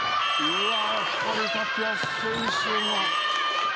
うわ。